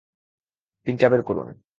পিনটা বের করুন!